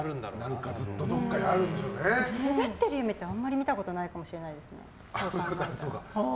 滑っている夢って、あんまり見たことないかもしれないですね。